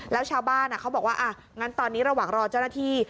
แล้วชาวบ้านเขาบอกว่างั้นตอนนี้ระหว่างรอเจ้าหน้าที่